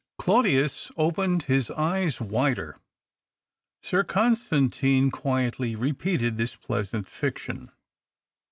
Claudius opened his eyes wider. Sir Con stantine quietly repeated this pleasant fiction.